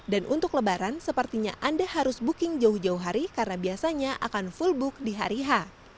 dan untuk lebaran sepertinya anda harus booking jauh jauh hari karena biasanya akan full book di hari h